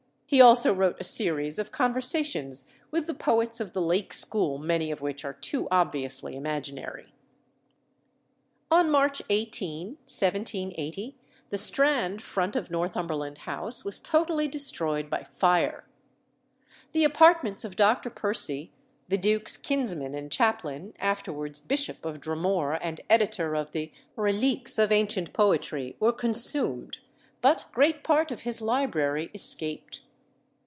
He also wrote a series of Conversations with the poets of the Lake school, many of which are too obviously imaginary. On March 18, 1780, the Strand front of Northumberland House was totally destroyed by fire. The apartments of Dr. Percy, the Duke's kinsman and chaplain, afterwards Bishop of Dromore and editor of the Reliques of Ancient Poetry were consumed; but great part of his library escaped.